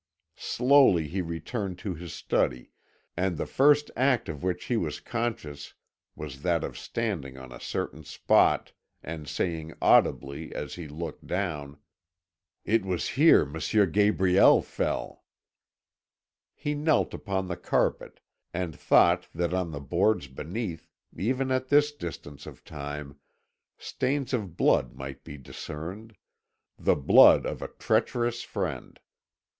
Slowly he returned to his study, and the first act of which he was conscious was that of standing on a certain spot and saying audibly as he looked down: "It was here M. Gabriel fell!" He knelt upon the carpet, and thought that on the boards beneath, even at this distance of time, stains of blood might be discerned, the blood of a treacherous friend.